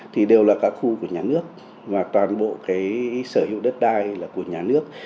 thì đều là các khu của nhà nước và toàn bộ cái sở hữu đất đai là của nhà nước